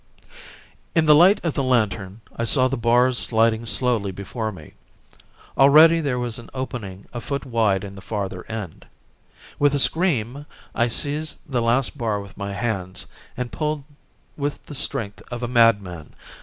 In the light of the lantern I saw the bars sliding slowly before me. Already there was an opening a foot wide at the farther end. With a scream I seized the last bar with my hands and pulled with the strength of a madman.